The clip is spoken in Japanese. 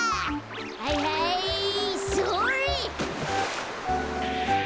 はいはいそれっ。